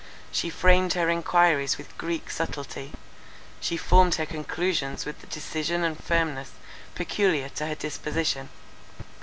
She framed her enquiries with Greek subtlety; she formed her conclusions with the decision and firmness peculiar to her disposition.